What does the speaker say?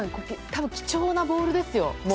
多分、貴重なボールですよ。